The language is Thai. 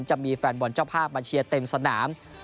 จะมีแฟนบอลเจ้าภาพมาเชียร์เต็มสนาม